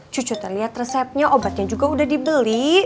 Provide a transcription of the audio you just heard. cucu teh liat resepnya obatnya juga udah dibeli